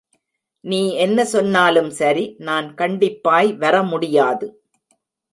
நீ என்ன சொன்னாலும் சரி நான் கண்டிப்பாய் வர முடியாது.